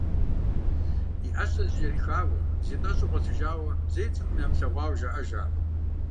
И ӏэщэ зыкӏэрихауэ, зитӏэщӏу гъуэлъыжауэ зэи цӏыхум ямылъэгъуауэ жаӏэж ар.